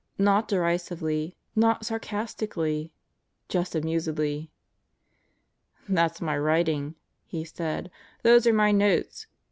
Not derisively. Not sarcastically. Just amusedly. "That's my writing," he said. "Those are my notes.